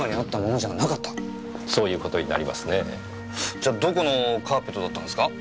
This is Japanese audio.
じゃどこのカーペットだったんですか？